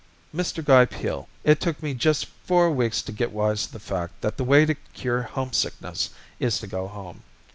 "Mr. Guy Peel, it took me just four weeks to get wise to the fact that the way to cure homesickness is to go home.